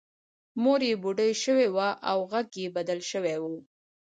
مور یې بوډۍ شوې وه او غږ یې بدل شوی و